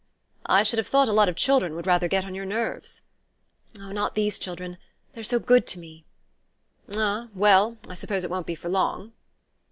"I should have thought a lot of children would rather get on your nerves." "Oh, not these children. They're so good to me." "Ah, well, I suppose it won't be for long."